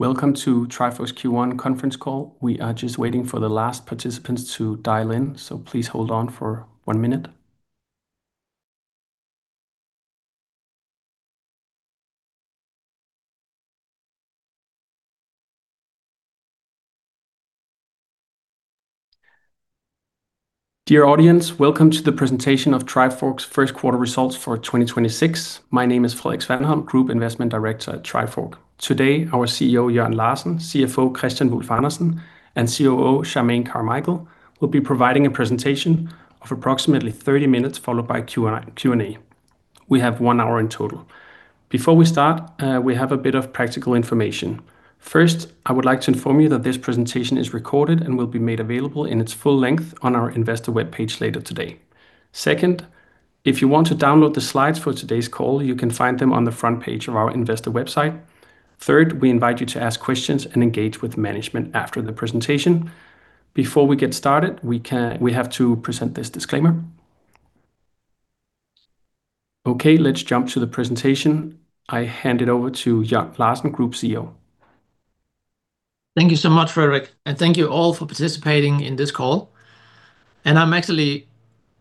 Welcome to Trifork's Q1 conference call. We are just waiting for the last participants to dial in, please hold on for 1 minute. Dear audience, welcome to the presentation of Trifork's first quarter results for 2026. My name is Frederik Svanholm, Group Investment Director at Trifork. Today, our CEO Jørn Larsen, CFO Kristian Wulf-Andersen, and COO Charmaine Carmichael will be providing a presentation of approximately 30 minutes, followed by Q&A. We have 1 hour in total. Before we start, we have a bit of practical information. First, I would like to inform you that this presentation is recorded and will be made available in its full length on our Investor webpage later today. Second, if you want to download the slides for today's call, you can find them on the front page of our Investor website. Third, we invite you to ask questions and engage with management after the presentation. Before we get started, we have to present this disclaimer. Okay, let's jump to the presentation. I hand it over to Jørn Larsen, Group CEO. Thank you so much, Frederik. Thank you all for participating in this call. I'm actually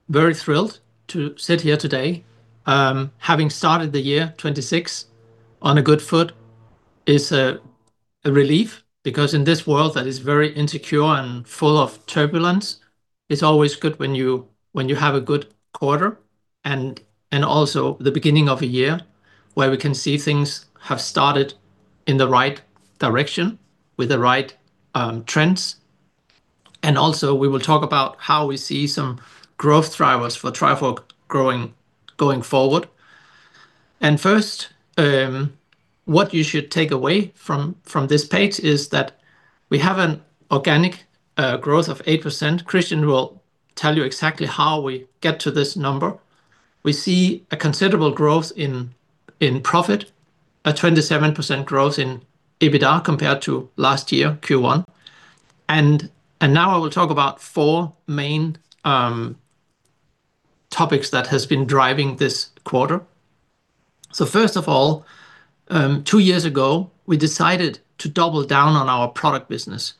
very thrilled to sit here today. Having started the year 2026 on a good foot is a relief because in this world that is very insecure and full of turbulence, it's always good when you have a good quarter and also the beginning of a year where we can see things have started in the right direction with the right trends. Also we will talk about how we see some growth drivers for Trifork going forward. First, what you should take away from this page is that we have an organic growth of 8%. Kristian will tell you exactly how we get to this number. We see a considerable growth in profit, a 27% growth in EBITDA compared to last year, Q1. Now I will talk about 4 main topics that has been driving this quarter. First of all, 2 years ago we decided to double down on our product business.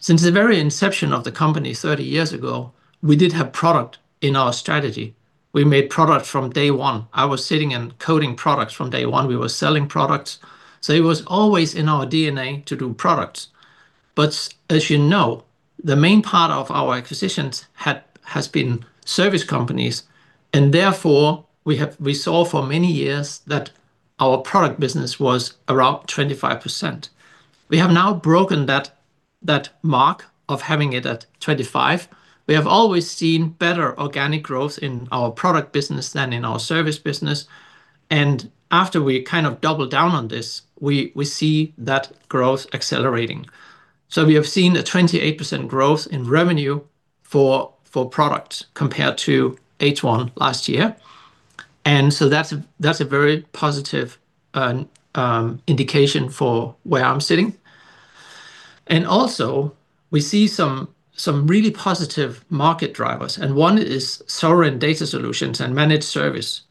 Since the very inception of the company 30 years ago, we did have product in our strategy. We made product from day one. I was sitting and coding products from day one. We were selling products. It was always in our DNA to do products. As you know, the main part of our acquisitions has been service companies, and therefore we saw for many years that our product business was around 25%. We have now broken that mark of having it at 25. We have always seen better organic growth in our product business than in our service business. After we kind of double down on this, we see that growth accelerating. We have seen a 28% growth in revenue for products compared to H1 last year. That's a very positive indication for where I'm sitting. We see some really positive market drivers, one is sovereign data solutions and managed service.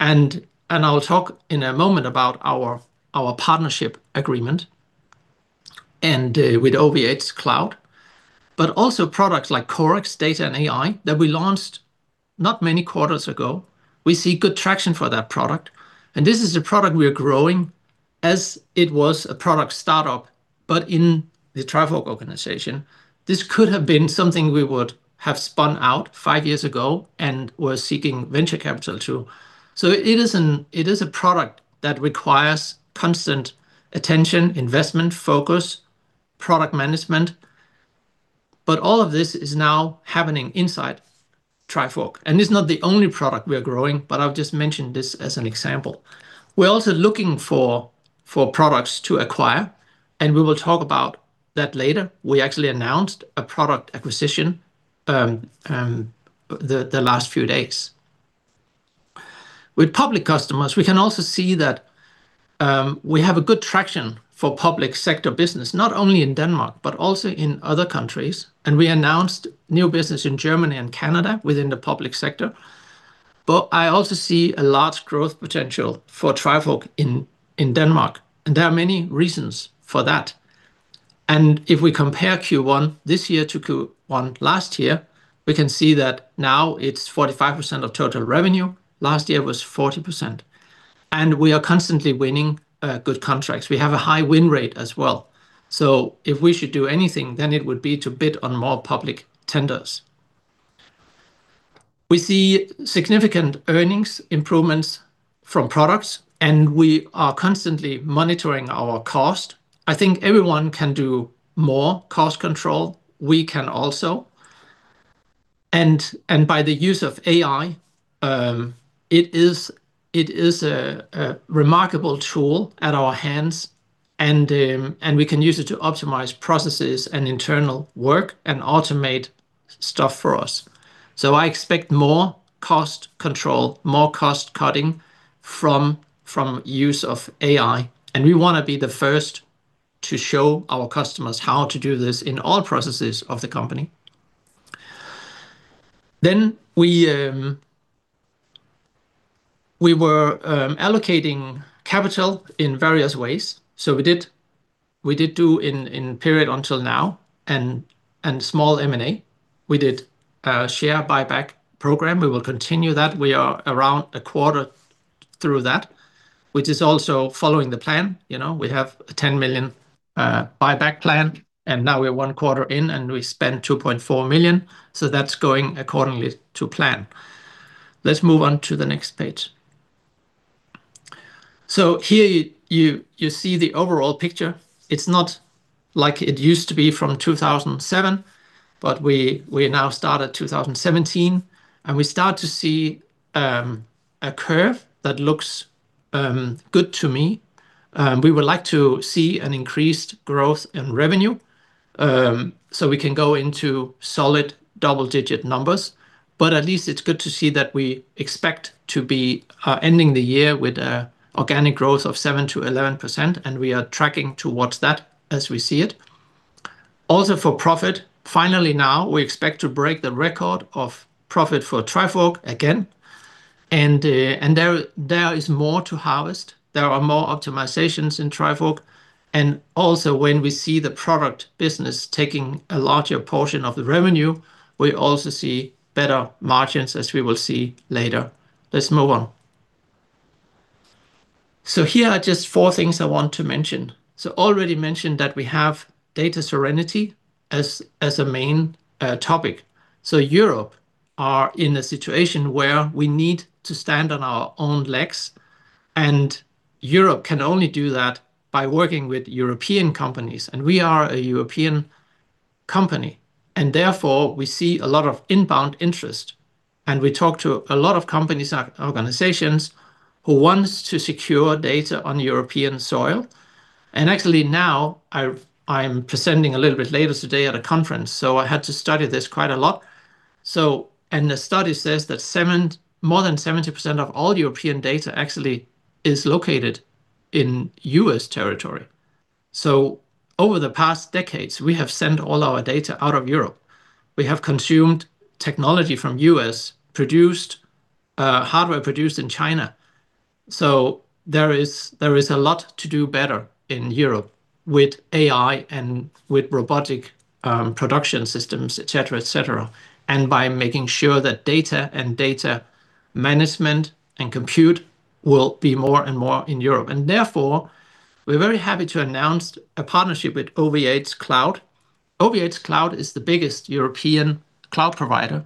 I'll talk in a moment about our partnership agreement with OVHcloud. Products like Corax Data and AI that we launched not many quarters ago. We see good traction for that product. This is a product we are growing as it was a product startup, but in the Trifork organization. This could have been something we would have spun out five years ago and were seeking venture capital to. It is a product that requires constant attention, investment, focus, product management. All of this is now happening inside Trifork, and it is not the only product we are growing, but I have just mentioned this as an example. We are also looking for products to acquire. We will talk about that later. We actually announced a product acquisition the last few days. With public customers, we can also see that we have a good traction for public sector business, not only in Denmark, but also in other countries. We announced new business in Germany and Canada within the public sector. I also see a large growth potential for Trifork in Denmark. There are many reasons for that. If we compare Q1 this year to Q1 last year, we can see that now it's 45% of total revenue. Last year was 40%. We are constantly winning good contracts. We have a high win rate as well. If we should do anything, then it would be to bid on more public tenders. We see significant earnings improvements from products, and we are constantly monitoring our cost. I think everyone can do more cost control. We can also. By the use of AI, it is a remarkable tool at our hands and we can use it to optimize processes and internal work and automate stuff for us. I expect more cost control, more cost cutting from use of AI, and we wanna be the first to show our customers how to do this in all processes of the company. We were allocating capital in various ways. We did do in period until now and small M&A. We did a share buyback program. We will continue that. We are around a quarter through that, which is also following the plan. You know, we have a 10 million buyback plan, and now we're 1 quarter in, and we spent 2.4 million. That's going accordingly to plan. Let's move on to the next page. Here you see the overall picture. It's not like it used to be from 2007, but we now start at 2017, and we start to see a curve that looks good to me. We would like to see an increased growth in revenue, so we can go into solid double-digit numbers. At least it's good to see that we expect to be ending the year with an organic growth of 7%-11%, and we are tracking towards that as we see it. Also, for profit, finally now we expect to break the record of profit for Trifork again. There is more to harvest. There are more optimizations in Trifork. Also, when we see the product business taking a larger portion of the revenue, we also see better margins, as we will see later. Let's move on. Here are just four things I want to mention. Already mentioned that we have data serenity as a main topic. Europe are in a situation where we need to stand on our own legs, and Europe can only do that by working with European companies, and we are a European company. Therefore, we see a lot of inbound interest, and we talk to a lot of companies and organizations who wants to secure data on European soil. Actually now I'm presenting a little bit later today at a conference, so I had to study this quite a lot. The study says that more than 70% of all European data actually is located in U.S. territory. Over the past decades, we have sent all our data out of Europe. We have consumed technology from U.S., produced hardware produced in China. There is a lot to do better in Europe with AI and with robotic production systems, et cetera, et cetera. By making sure that data and data management and compute will be more and more in Europe. We're very happy to announce a partnership with OVHcloud. OVHcloud is the biggest European cloud provider.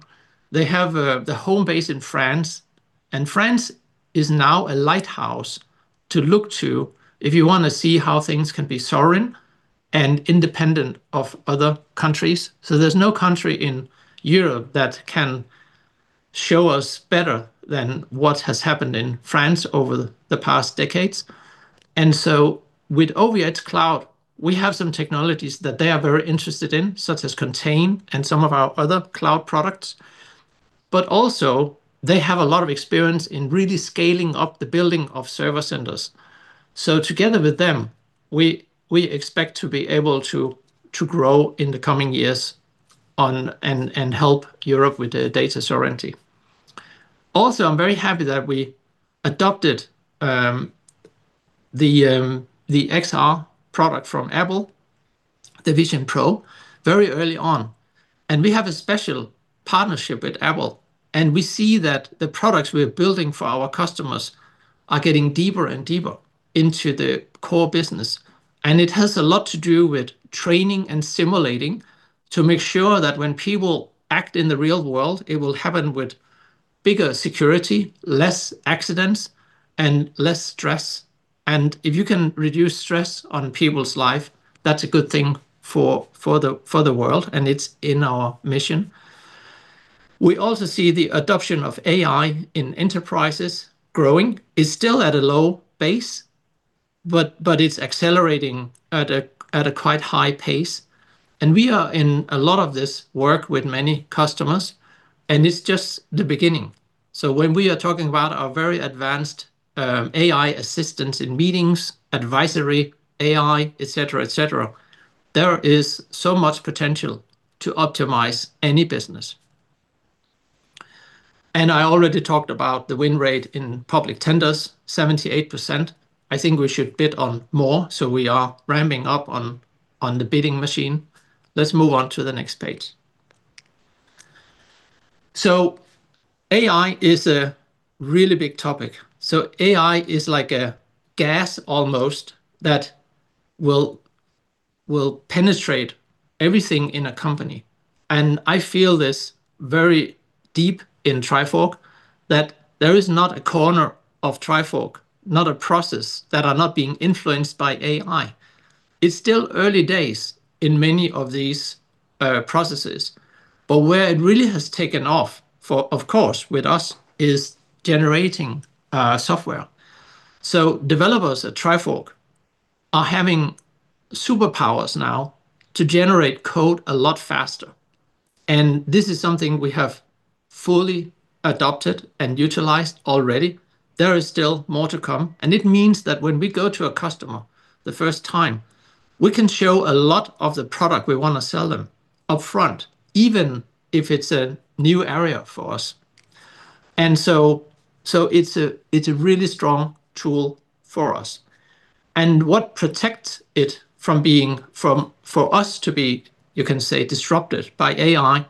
They have the home base in France is now a lighthouse to look to if you wanna see how things can be sovereign and independent of other countries. There's no country in Europe that can show us better than what has happened in France over the past decades. With OVHcloud, we have some technologies that they are very interested in, such as Contain and some of our other cloud products. Also, they have a lot of experience in really scaling up the building of server centers. Together with them, we expect to be able to grow in the coming years and help Europe with the data sovereignty. Also, I'm very happy that we adopted the XR product from Apple, the Vision Pro, very early on. We have a special partnership with Apple, and we see that the products we're building for our customers are getting deeper and deeper into the core business. It has a lot to do with training and simulating to make sure that when people act in the real world, it will happen with bigger security, less accidents, and less stress. If you can reduce stress on people's life, that's a good thing for the world, and it's in our mission. We also see the adoption of AI in enterprises growing. It's still at a low base, but it's accelerating at a quite high pace. We are in a lot of this work with many customers, and it's just the beginning. When we are talking about our very advanced AI assistance in meetings, advisory AI, et cetera, et cetera, there is so much potential to optimize any business. I already talked about the win rate in public tenders, 78%. I think we should bid on more, so we are ramping up on the bidding machine. Let's move on to the next page. AI is a really big topic. AI is like a gas almost that will penetrate everything in a company. I feel this very deep in Trifork, that there is not a corner of Trifork, not a process that are not being influenced by AI. It's still early days in many of these processes, but where it really has taken off for, of course, with us, is generating software. Developers at Trifork are having superpowers now to generate code a lot faster, and this is something we have fully adopted and utilized already. There is still more to come, and it means that when we go to a customer the first time, we can show a lot of the product we wanna sell them upfront, even if it's a new area for us. It's a really strong tool for us. What protects it from being, for us to be, you can say, disrupted by AI,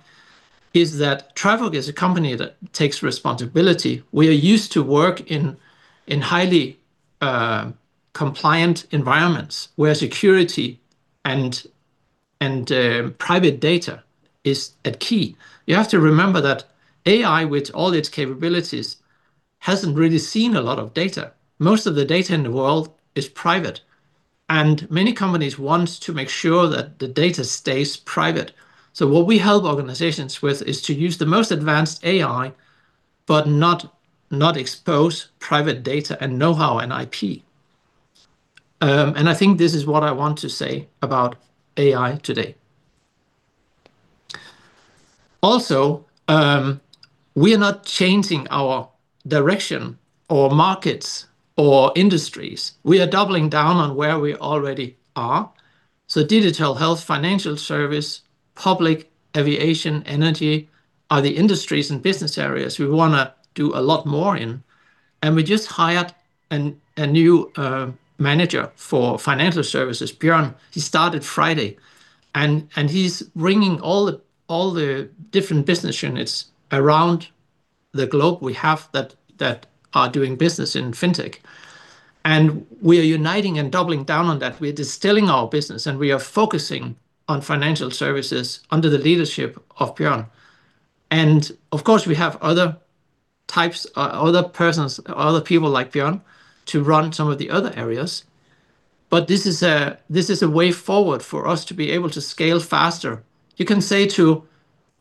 is that Trifork is a company that takes responsibility. We are used to work in highly compliant environments where security and private data is at key. You have to remember that AI, with all its capabilities, hasn't really seen a lot of data. Most of the data in the world is private, and many companies want to make sure that the data stays private. What we help organizations with is to use the most advanced AI, but not expose private data and know-how and IP. I think this is what I want to say about AI today. Also, we are not changing our direction or markets or industries. We are doubling down on where we already are. Digital health, financial service, public, aviation, energy are the industries and business areas we wanna do a lot more in. We just hired a new manager for financial services, Bjorn. He started Friday, and he's bringing all the different business units around the globe we have that are doing business in Fintech. We are uniting and doubling down on that. We're distilling our business, and we are focusing on financial services under the leadership of Bjorn. Of course, we have other types, other persons, other people like Bjorn to run some of the other areas. This is a way forward for us to be able to scale faster. You can say to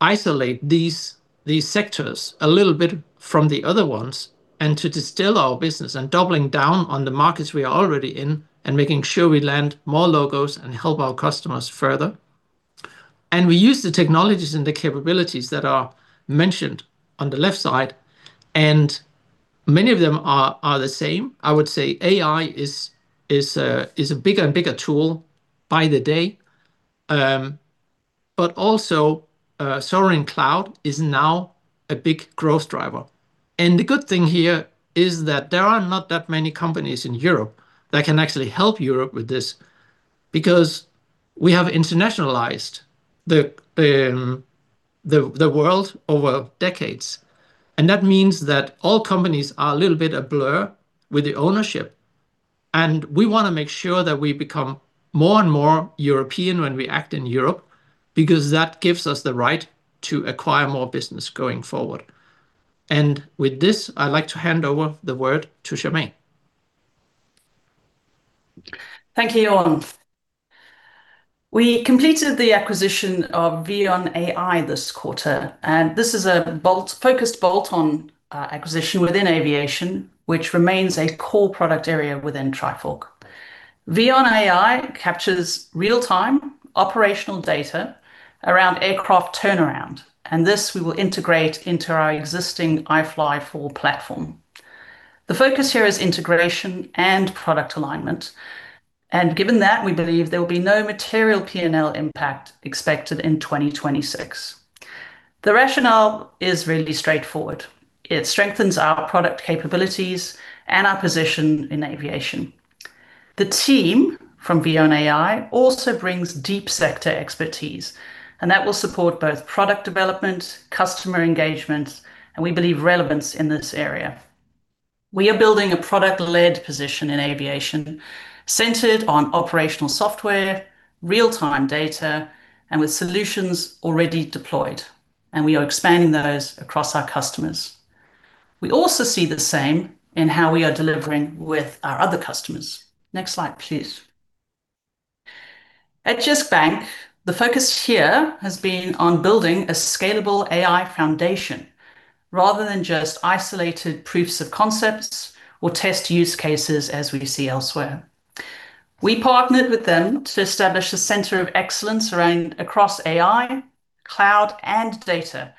isolate these sectors a little bit from the other ones and to distill our business and doubling down on the markets we are already in and making sure we land more logos and help our customers further. We use the technologies and the capabilities that are mentioned on the left side, and many of them are the same. I would say AI is a, is a bigger and bigger tool by the day. But also, sovereign cloud is now a big growth driver. The good thing here is that there are not that many companies in Europe that can actually help Europe with this because we have internationalized the world over decades. That means that all companies are a little bit a blur with the ownership, and we wanna make sure that we become more and more European when we act in Europe because that gives us the right to acquire more business going forward. With this, I'd like to hand over the word to Charmaine. Thank you, Jørn. We completed the acquisition of VION AI this quarter. This is a focused bolt-on acquisition within aviation, which remains a core product area within Trifork. VION AI captures real-time operational data around aircraft turnaround. This we will integrate into our existing iFly4 platform. The focus here is integration and product alignment. Given that, we believe there will be no material P&L impact expected in 2026. The rationale is really straightforward. It strengthens our product capabilities and our position in aviation. The team from VION AI also brings deep sector expertise. That will support both product development, customer engagement, and we believe relevance in this area. We are building a product-led position in aviation centered on operational software, real-time data, and with solutions already deployed. We are expanding those across our customers. We also see the same in how we are delivering with our other customers. Next slide, please. At Jyske Bank, the focus here has been on building a scalable AI foundation rather than just isolated proofs of concepts or test use cases as we see elsewhere. We partnered with them to establish a center of excellence around across AI, cloud, and data,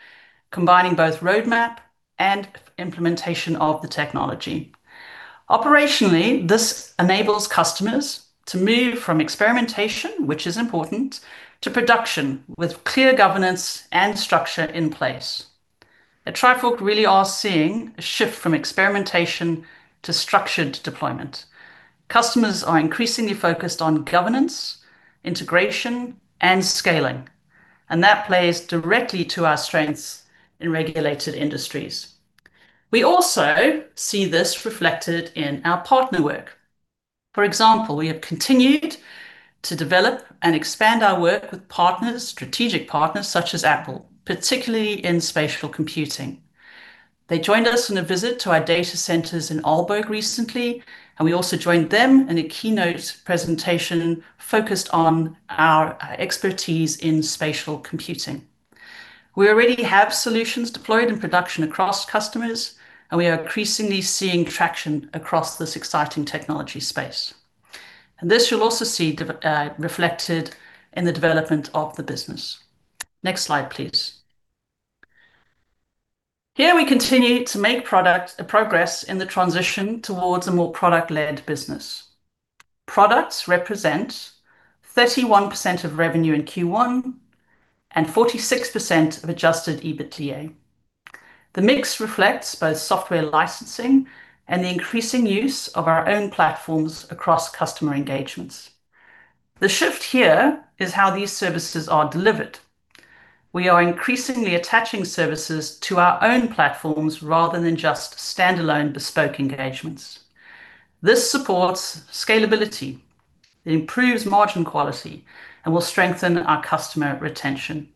combining both roadmap and implementation of the technology. Operationally, this enables customers to move from experimentation, which is important, to production with clear governance and structure in place. At Trifork, we really are seeing a shift from experimentation to structured deployment. Customers are increasingly focused on governance, integration, and scaling, and that plays directly to our strengths in regulated industries. We also see this reflected in our partner work. For example, we have continued to develop and expand our work with partners, strategic partners such as Apple, particularly in spatial computing. They joined us on a visit to our data centers in Aalborg recently, and we also joined them in a keynote presentation focused on our expertise in spatial computing. We already have solutions deployed in production across customers, and we are increasingly seeing traction across this exciting technology space. This you'll also see reflected in the development of the business. Next slide, please. Here we continue to make progress in the transition towards a more product-led business. Products represent 31% of revenue in Q1 and 46% of adjusted EBITDA. The mix reflects both software licensing and the increasing use of our own platforms across customer engagements. The shift here is how these services are delivered. We are increasingly attaching services to our own platforms rather than just standalone bespoke engagements. This supports scalability, it improves margin quality, and will strengthen our customer retention.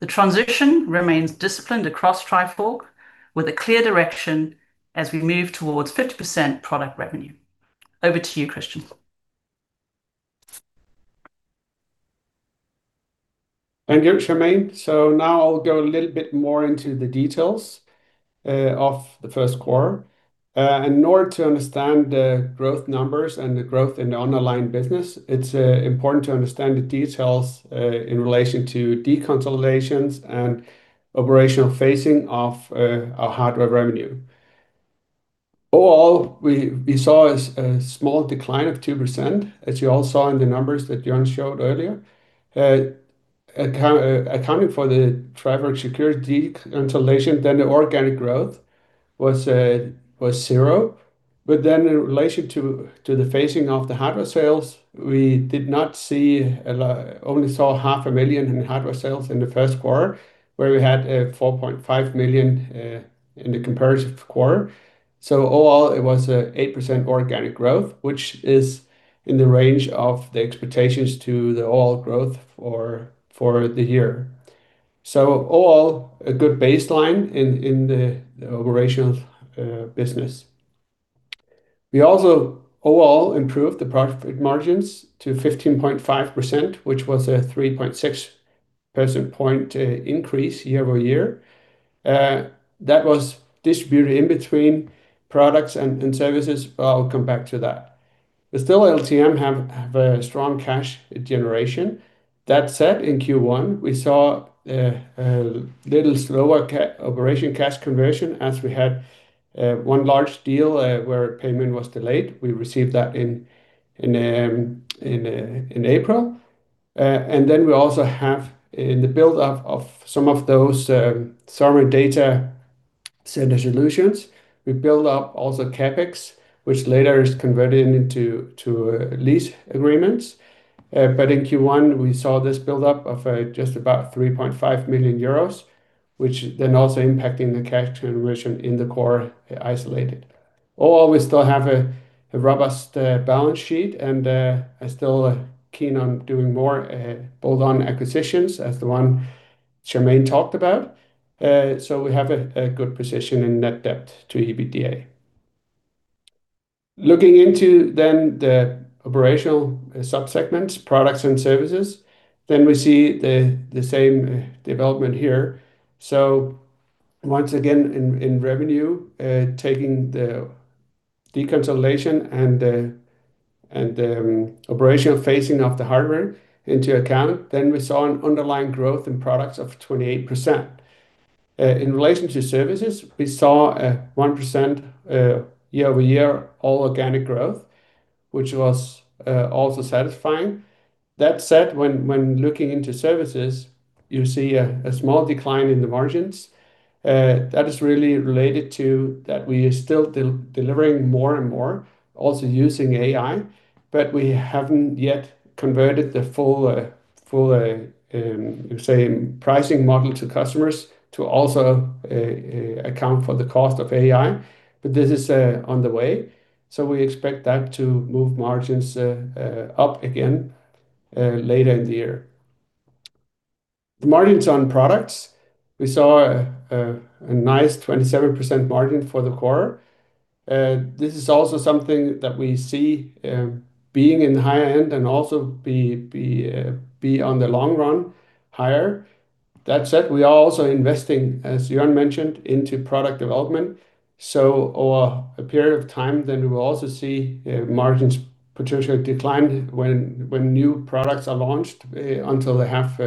The transition remains disciplined across Trifork with a clear direction as we move towards 50% product revenue. Over to you, Kristian. Thank you, Charmaine. Now I'll go a little bit more into the details of the first quarter. In order to understand the growth numbers and the growth in the underlying business, it's important to understand the details in relation to deconsolidations and operational phasing of our hardware revenue. Overall, we saw a small decline of 2%, as you all saw in the numbers that Jørn showed earlier. Accounting for the Trifork Security consolidation, then the organic growth was 0. In relation to the phasing of the hardware sales, we only saw half a million DKK in hardware sales in the first quarter, where we had 4.5 million in the comparative quarter. Overall, it was a 8% organic growth, which is in the range of the expectations to the overall growth for the year. Overall, a good baseline in the operational business. We also overall improved the profit margins to 15.5%, which was a 3.6 percentage point increase year-over-year. That was distributed in between products and services, I'll come back to that. Still LTM have a strong cash generation. That said, in Q1, we saw a little slower cash operation cash conversion as we had 1 large deal where payment was delayed. We received that in April. We also have in the buildup of some of those sovereign data center solutions, we build up also CapEx, which later is converted into lease agreements. In Q1, we saw this buildup of just about 3.5 million euros, which also impacting the cash conversion in the core isolated. We still have a robust balance sheet, and are still keen on doing more bolt-on acquisitions as the one Charmaine talked about. We have a good position in net debt to EBITDA. Looking into the operational sub-segments, products and services, we see the same development here. Once again, in revenue, taking the deconsolidation and the operational phasing of the hardware into account, we saw an underlying growth in products of 28%. In relation to services, we saw a 1% year-over-year all organic growth, which was also satisfying. That said, when looking into services, you see a small decline in the margins. That is really related to that we are still delivering more and more, also using AI, but we haven't yet converted the full same pricing model to customers to also account for the cost of AI. This is on the way, so we expect that to move margins up again later in the year. The margins on products, we saw a nice 27% margin for the quarter. This is also something that we see being in the higher end and also be on the long run higher. We are also investing, as Jørn mentioned, into product development. Over a period of time we will also see margins potentially decline when new products are launched until they have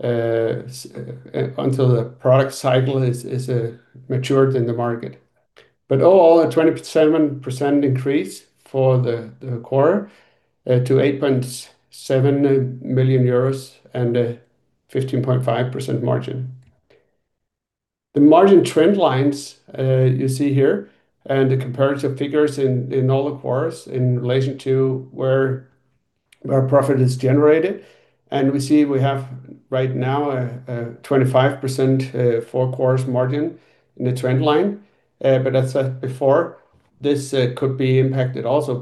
until the product cycle is matured in the market. Overall, a 27% increase for the quarter to 8.7 million euros and a 15.5% margin. The margin trend lines you see here, and the comparative figures in all the quarters in relation to where our profit is generated. We see we have right now a 25% four-quarters margin in the trend line. As said before, this could be impacted also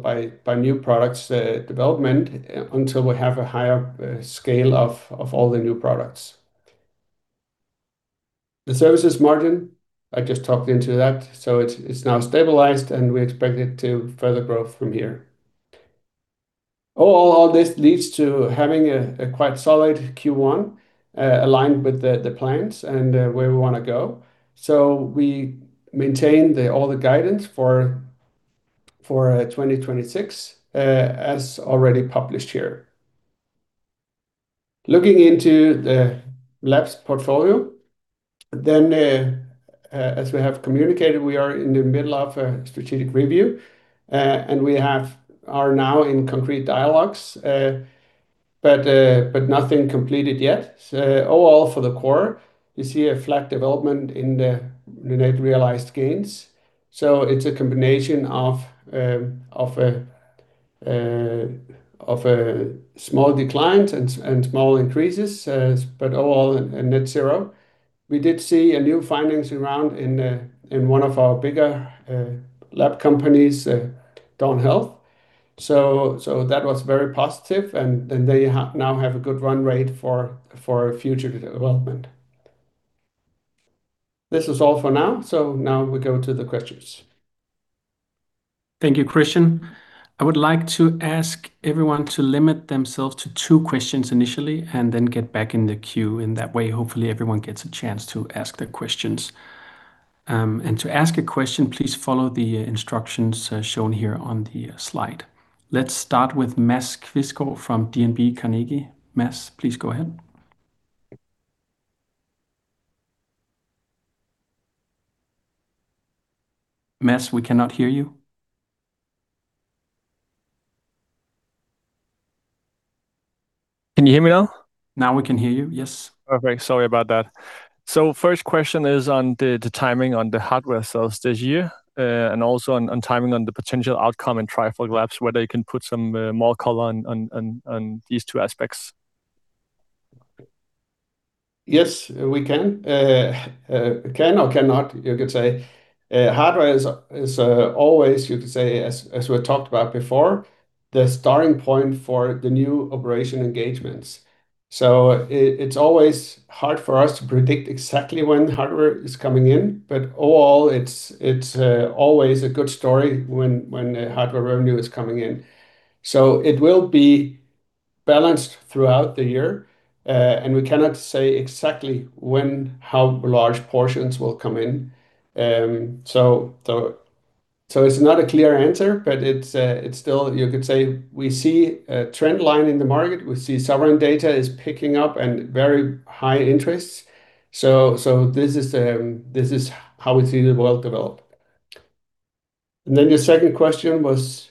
by new products development until we have a higher scale of all the new products. The services margin, I just talked into that, it's now stabilized, and we expect it to further grow from here. Overall, all this leads to having a quite solid Q1, aligned with the plans and where we wanna go. We maintain all the guidance for 2026, as already published here. Looking into the labs portfolio, then, as we have communicated, we are in the middle of a strategic review. We are now in concrete dialogues, but nothing completed yet. Overall for the quarter, you see a flat development in the net realized gains. It's a combination of a small decline and small increases, but overall a net zero. We did see a new findings around in one of our bigger lab companies, Dawn Health. That was very positive, and then they now have a good run rate for future development. This is all for now. Now we go to the questions. Thank you, Kristian. I would like to ask everyone to limit themselves to two questions initially, and then get back in the queue. In that way, hopefully everyone gets a chance to ask their questions. To ask a question, please follow the instructions shown here on the slide. Let's start with Mads Kvisgaard Johansen from DNB Carnegie. Mads, please go ahead. Mads, we cannot hear you. Can you hear me now? Now we can hear you, yes. Perfect. Sorry about that. First question is on the timing on the hardware sales this year, and also on timing on the potential outcome in Trifork Labs, whether you can put some more color on these two aspects. Yes, we can. Can or cannot, you could say. Hardware is always, you could say, as we talked about before, the starting point for the new operation engagements. It's always hard for us to predict exactly when hardware is coming in, but overall it's always a good story when hardware revenue is coming in. It will be balanced throughout the year, and we cannot say exactly when, how large portions will come in. It's not a clear answer, but it's still, you could say, we see a trend line in the market. We see sovereign data is picking up and very high interest. This is how we see the world develop. Your second question was?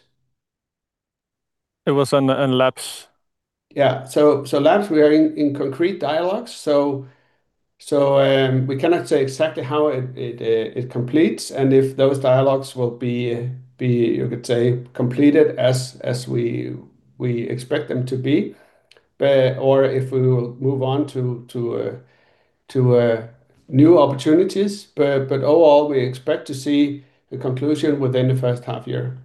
It was on Labs. Labs, we are in concrete dialogues. We cannot say exactly how it completes, and if those dialogues will be, you could say, completed as we expect them to be, but or if we will move on to new opportunities. Overall, we expect to see the conclusion within the first half year.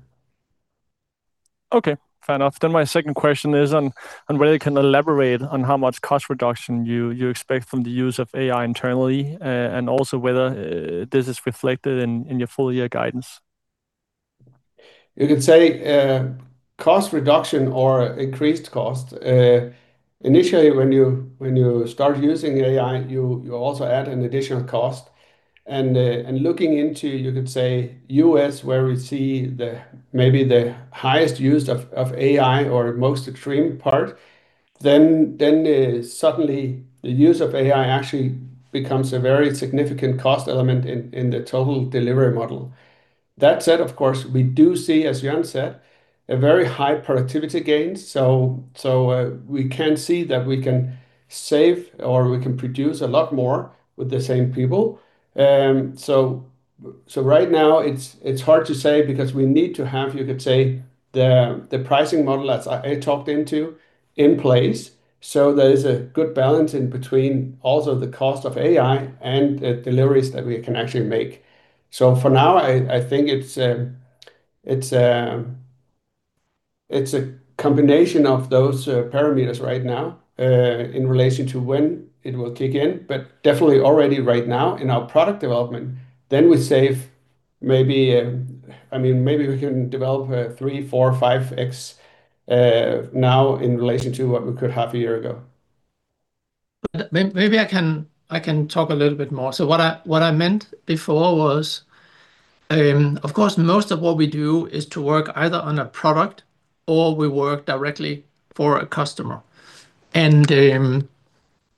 Okay, fair enough. My second question is on whether you can elaborate on how much cost reduction you expect from the use of AI internally, and also whether this is reflected in your full year guidance. You could say, cost reduction or increased cost. Initially when you start using AI, you also add an additional cost. Looking into, you could say, U.S., where we see the maybe the highest use of AI or most extreme part, then suddenly the use of AI actually becomes a very significant cost element in the total delivery model. That said, of course, we do see, as Jørn said, a very high productivity gain. We can see that we can save or we can produce a lot more with the same people. So right now it's hard to say because we need to have, you could say, the pricing model that I talked into in place, so there is a good balance in between also the cost of AI and the deliveries that we can actually make. For now, I think it's a combination of those parameters right now in relation to when it will kick in. Definitely already right now in our product development, then we save maybe, I mean, maybe we can develop a 3, 4, 5x now in relation to what we could have a year ago. Maybe I can talk a little bit more. What I meant before was, of course, most of what we do is to work either on a product or we work directly for a customer.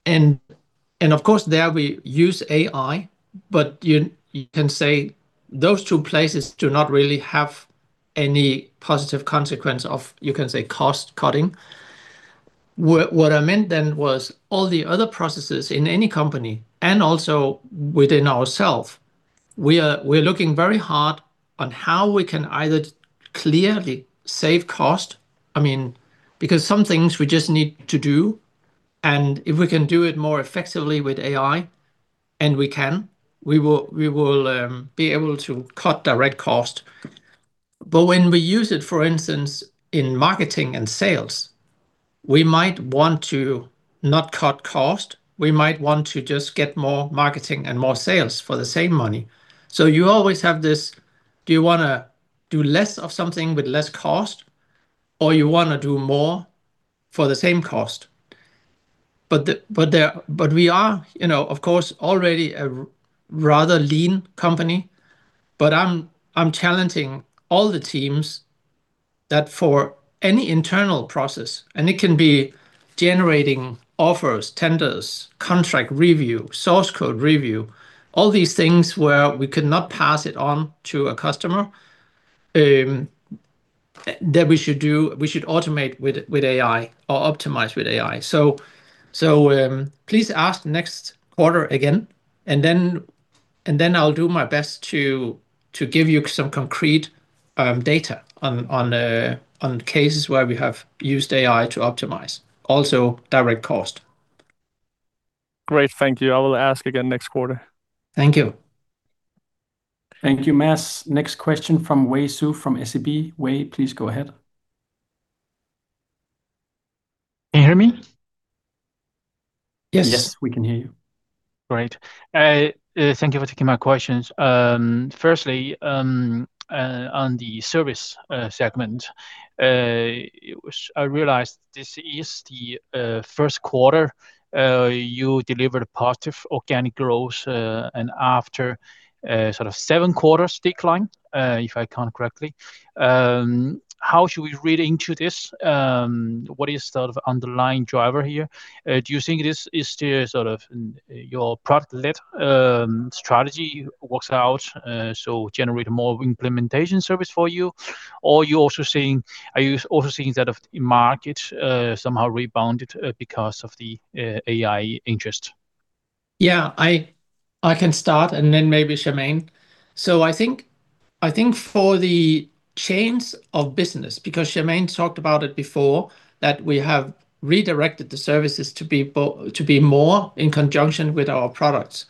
Of course, there we use AI, but you can say those 2 places do not really have any positive consequence of, you can say, cost cutting. What I meant then was all the other processes in any company, and also within ourself, we're looking very hard on how we can either clearly save cost, I mean, because some things we just need to do, and if we can do it more effectively with AI, and we can, we will be able to cut direct cost. When we use it, for instance, in marketing and sales, we might want to not cut cost. We might want to just get more marketing and more sales for the same money. You always have this, do you wanna do less of something with less cost, or you wanna do more for the same cost? We are, you know, of course, already a rather lean company. I'm challenging all the teams that for any internal process, and it can be generating offers, tenders, contract review, source code review, all these things where we could not pass it on to a customer, that we should do, we should automate with AI or optimize with AI. Please ask next quarter again, and then I'll do my best to give you some concrete data on cases where we have used AI to optimize, also direct cost. Great. Thank you. I will ask again next quarter. Thank you. Thank you, Mads. Next question from Yiwei Xu from SEB. Wei, please go ahead. Can you hear me? Yes. Yes, we can hear you. Great. Thank you for taking my questions. Firstly, on the Service segment, it was I realized this is the first quarter you delivered positive organic growth, and after sort of seven quarters decline, if I count correctly. How should we read into this? What is sort of underlying driver here? Do you think this is the sort of your product led strategy works out, so generate more implementation service for you? Or are you also seeing that of market somehow rebounded because of the AI interest? Yeah. I can start, and then maybe Charmaine. I think for the change of business, because Charmaine talked about it before that we have redirected the services to be more in conjunction with our products,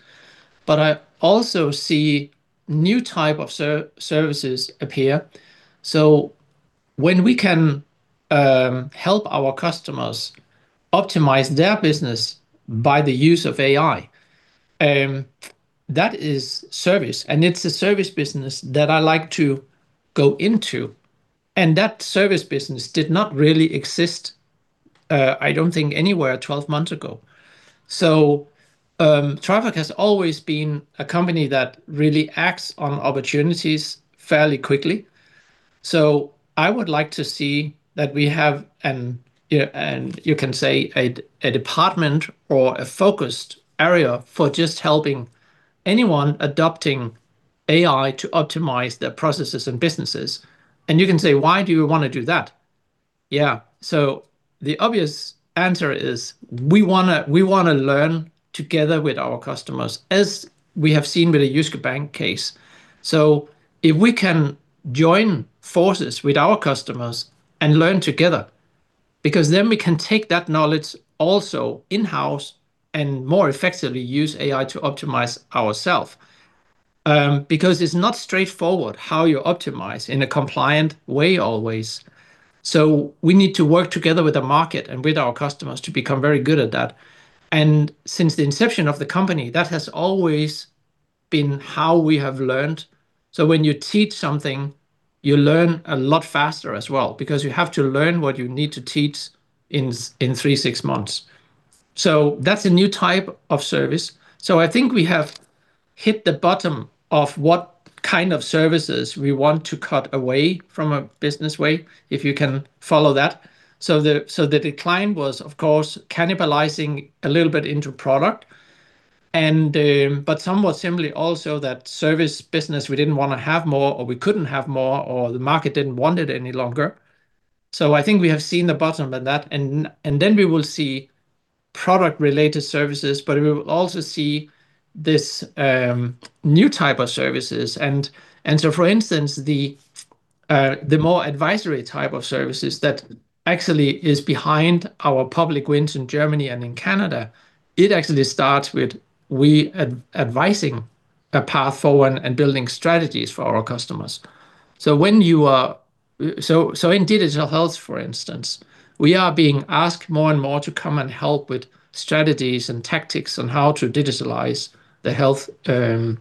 I also see new type of services appear. When we can help our customers optimize their business by the use of AI, that is service, and it's a service business that I like to go into, and that service business did not really exist, I don't think anywhere 12 months ago. Trifork has always been a company that really acts on opportunities fairly quickly. I would like to see that we have an, you can say a department or a focused area for just helping anyone adopting AI to optimize their processes and businesses. You can say, "Why do you wanna do that?" Yeah. The obvious answer is we wanna learn together with our customers, as we have seen with the Jyske Bank case. If we can join forces with our customers and learn together, because then we can take that knowledge also in-house and more effectively use AI to optimize ourself. Because it's not straightforward how you optimize in a compliant way always. We need to work together with the market and with our customers to become very good at that. Since the inception of the company, that has always been how we have learned. When you teach something, you learn a lot faster as well, because you have to learn what you need to teach in three, six months. That's a new type of service. I think we have hit the bottom of what kind of services we want to cut away from a business way, if you can follow that. The decline was, of course, cannibalizing a little bit into product, and, but somewhat similarly also that service business we didn't wanna have more, or we couldn't have more, or the market didn't want it any longer. I think we have seen the bottom in that and then we will see product related services, but we will also see this, new type of services. For instance, the more advisory type of services that actually is behind our public wins in Germany and in Canada, it actually starts with we advising a path forward and building strategies for our customers. In digital health, for instance, we are being asked more and more to come and help with strategies and tactics on how to digitalize the health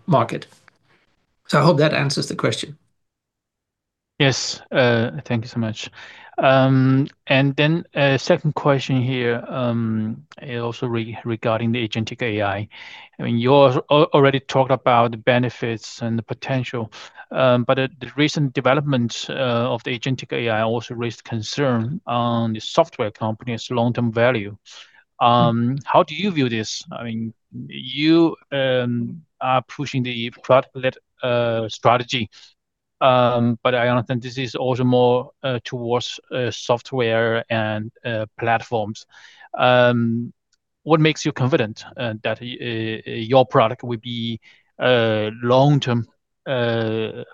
market. I hope that answers the question. Yes. Thank you so much. A second question here, regarding the agentic AI. I mean, you already talked about the benefits and the potential, but the recent development of the agentic AI also raised concern on the software company's long-term value. How do you view this? I mean, you are pushing the product led strategy, but I understand this is also more towards software and platforms. What makes you confident that your product will be long-term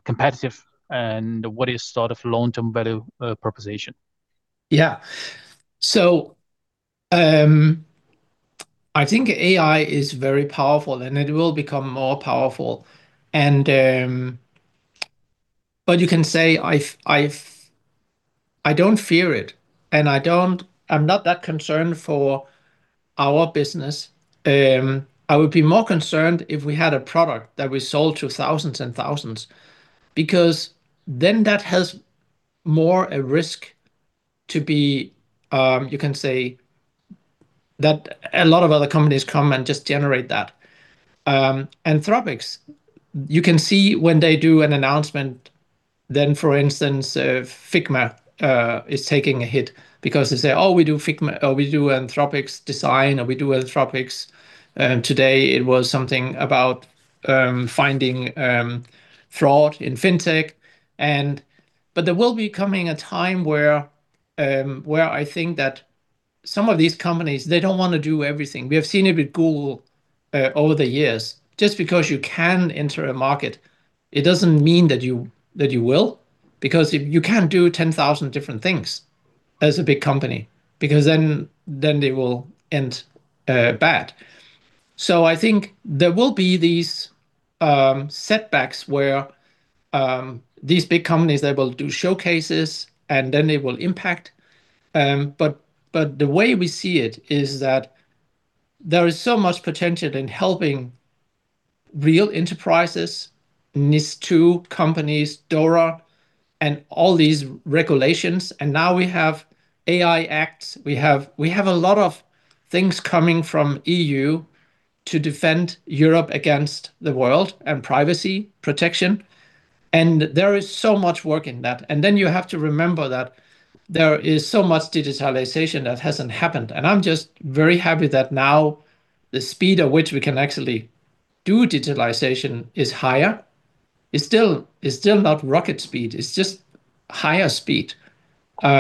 competitive, and what is sort of long-term value proposition? Yeah. I think AI is very powerful, and it will become more powerful. You can say I don't fear it, and I'm not that concerned for our business. I would be more concerned if we had a product that we sold to thousands and thousands, because then More a risk to be that a lot of other companies come and just generate that. Anthropic's, you can see when they do an announcement, then for instance, Figma, is taking a hit because they say, "Oh, we do Figma Oh, we do Anthropic's design or we do Anthropic's." Today it was something about finding fraud in Fintech. There will be coming a time where I think that some of these companies, they don't want to do everything. We have seen it with Google over the years. Just because you can enter a market, it doesn't mean that you will. Because you can't do 10,000 different things as a big company, because then they will end bad. I think there will be these setbacks where these big companies, they will do showcases and then they will impact. But the way we see it is that there is so much potential in helping real enterprises, NIS2 companies, DORA, and all these regulations. Now we have AI Act. We have a lot of things coming from EU to defend Europe against the world and privacy protection. There is so much work in that. You have to remember that there is so much digitalization that hasn't happened, and I'm just very happy that now the speed at which we can actually do digitalization is higher. It's still not rocket speed, it's just higher speed.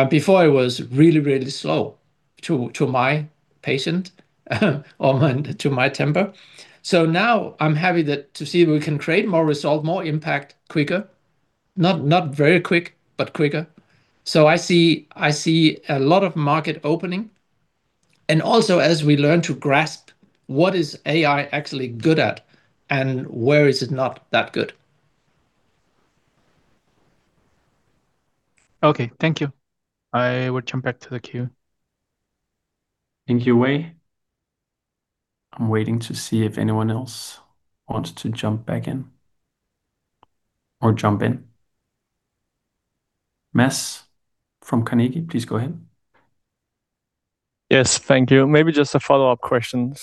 Before it was really, really slow to my temper. Now I'm happy that to see we can create more result, more impact quicker. Not very quick, but quicker. I see a lot of market opening, and also as we learn to grasp what is AI actually good at and where is it not that good. Okay. Thank you. I will jump back to the queue. Thank you, Wei. I'm waiting to see if anyone else wants to jump back in or jump in. Mads from Carnegie, please go ahead. Yes. Thank you. Maybe just a follow-up question.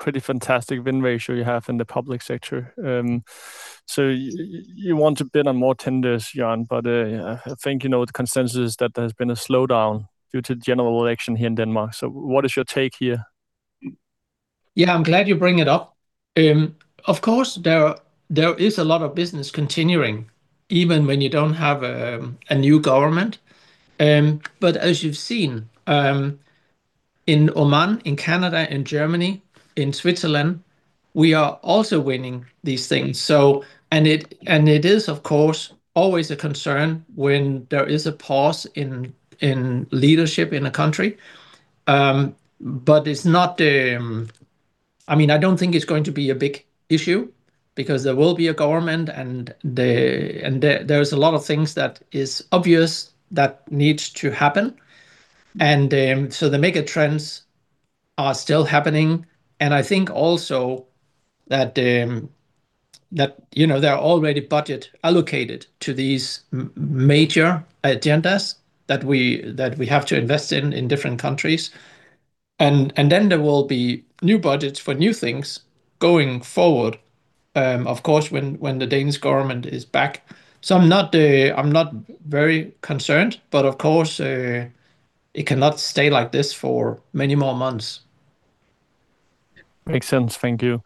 Pretty fantastic win ratio you have in the public sector. You want to bid on more tenders, Jørn Larsen, but I think you know the consensus that there's been a slowdown due to general election here in Denmark. What is your take here? Yeah, I'm glad you bring it up. Of course, there is a lot of business continuing even when you don't have a new government. As you've seen, in Oman, in Canada, in Germany, in Switzerland, we are also winning these things. It is of course always a concern when there is a pause in leadership in a country. It's not the, I mean, I don't think it's going to be a big issue because there will be a government and there is a lot of things that is obvious that needs to happen. The mega trends are still happening, and I think also that, you know, there are already budget allocated to these major agendas that we have to invest in different countries. Then there will be new budgets for new things going forward, of course when the Danish government is back. I'm not, I'm not very concerned, but of course, it cannot stay like this for many more months. Makes sense. Thank you.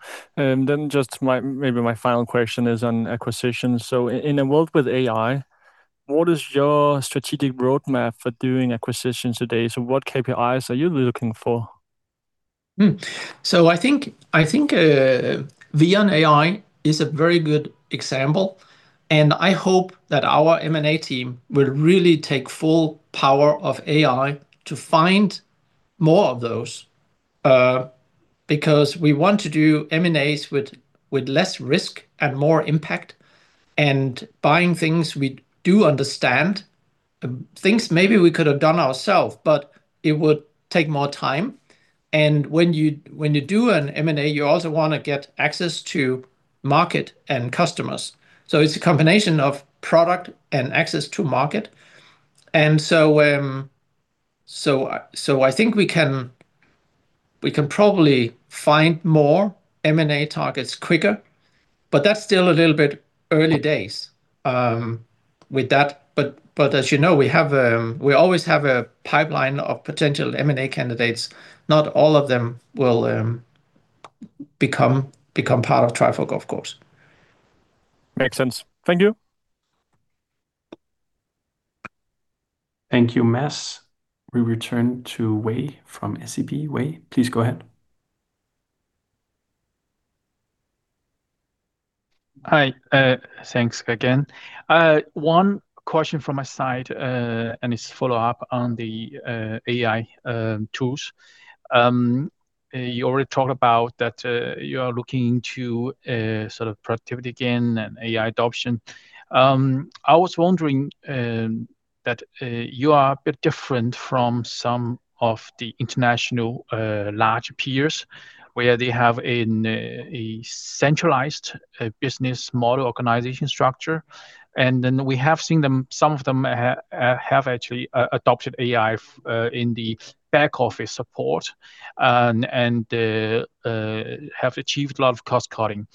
Just maybe my final question is on acquisitions. In a world with AI, what is your strategic roadmap for doing acquisitions today? What KPIs are you looking for? I think VION AI is a very good example, and I hope that our M&A team will really take full power of AI to find more of those, because we want to do M&As with less risk and more impact, and buying things we do understand. Things maybe we could have done ourself, it would take more time, and when you do an M&A, you also wanna get access to market and customers. It's a combination of product and access to market. So I think we can probably find more M&A targets quicker, that's still a little bit early days with that. But as you know, we always have a pipeline of potential M&A candidates. Not all of them will become part of Trifork, of course. Makes sense. Thank you. Thank you, Mads. We return to Wei from SEB. Wei, please go ahead. Hi. Thanks again. One question from my side, and it's follow-up on the AI tools. You already talked about that you are looking into a sort of productivity gain and AI adoption. I was wondering that you are a bit different from some of the international large peers where they have a centralized business model organization structure. We have seen some of them have actually adopted AI in the back office support and have achieved a lot of cost cutting.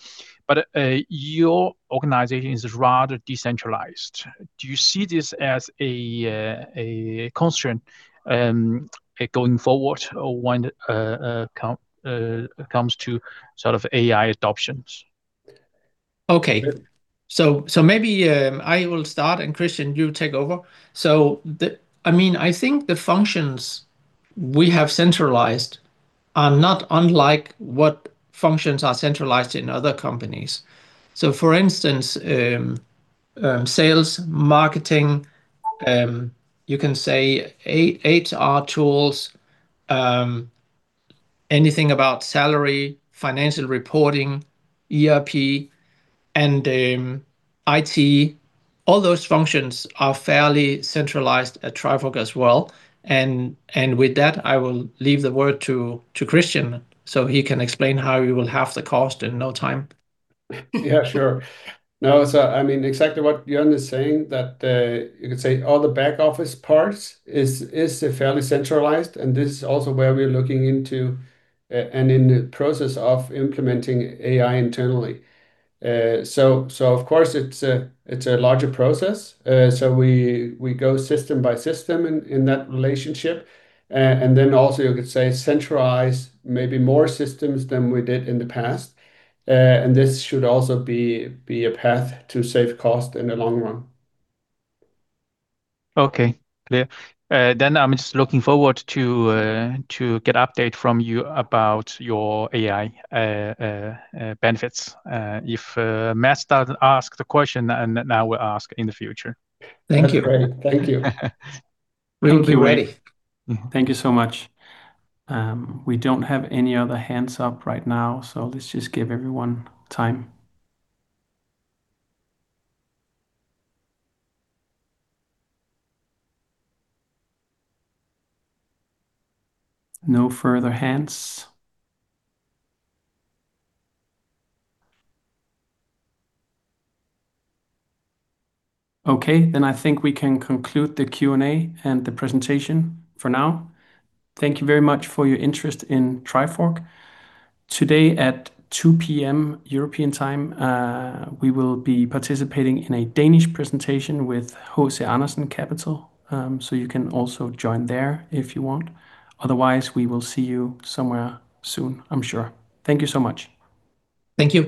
Your organization is rather decentralized. Do you see this as a constraint going forward or when comes to sort of AI adoptions? Okay. Maybe, I will start, and Kristian, you take over. I mean, I think the functions we have centralized are not unlike what functions are centralized in other companies. For instance, sales, marketing, you can say HR tools, anything about salary, financial reporting, ERP, and IT, all those functions are fairly centralized at Trifork as well. With that, I will leave the word to Kristian, so he can explain how we will half the cost in no time. Yeah, sure. I mean, exactly what Jørn is saying, that you could say all the back office parts is fairly centralized, and this is also where we're looking into and in the process of implementing AI internally. Of course, it's a larger process. We go system by system in that relationship. Also you could say centralize maybe more systems than we did in the past. This should also be a path to save cost in the long run. Okay. Clear. I'm just looking forward to get update from you about your AI benefits. If Mads doesn't ask the question, then now we'll ask in the future. Thank you. That's great. Thank you. We'll be ready. Thank you. Thank you so much. We don't have any other hands up right now, so let's just give everyone time. No further hands. Okay. I think we can conclude the Q&A and the presentation for now. Thank you very much for your interest in Trifork. Today at 2:00 P.M. European time, we will be participating in a Danish presentation with HC Andersen Capital, so you can also join there if you want. We will see you somewhere soon, I'm sure. Thank you so much. Thank you.